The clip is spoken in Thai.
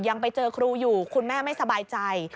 ยังไปเจอครูอยู่คุณแม่ไม่สบายใจ